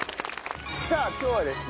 さあ今日はですね